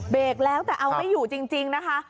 กแล้วแต่เอาไม่อยู่จริงนะคะ